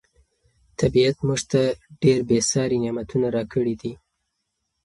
طبیعت موږ ته ډېر بې ساري نعمتونه راکړي دي.